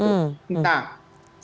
nah saya yakin pertimbangan dasarnya